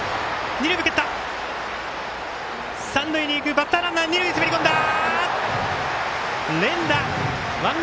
バッターランナー、二塁滑り込んだ！